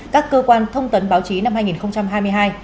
các cơ quan thông tấn báo chí năm hai nghìn hai mươi hai